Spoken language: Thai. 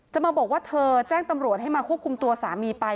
จะมาบอกว่าเธอแจ้งตำรวจให้มาควบคุมตัวสามีไป